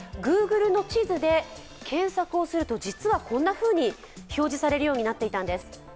Ｇｏｏｇｌｅの地図で検索をすると実はこんなふうに表示されるようになっていたんですね。